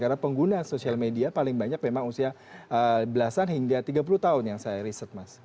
karena pengguna sosial media paling banyak memang usia belasan hingga tiga puluh tahun yang saya riset mas